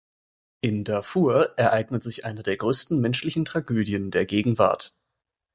In Darfur ereignet sich eine der größten menschlichen Tragödien der Gegenwart.